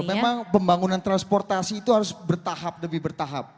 memang pembangunan transportasi itu harus bertahap demi bertahap